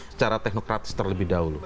secara teknokratis terlebih dahulu